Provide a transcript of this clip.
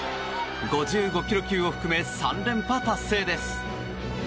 ５５ｋｇ級を含め３連覇達成です。